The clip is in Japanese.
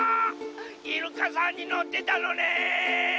イルカさんにのってたのね！